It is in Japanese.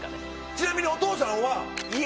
ちなみにお父さんは。